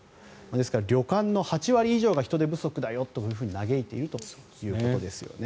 ですから旅館の８割以上が人手不足だよと嘆いているということですよね。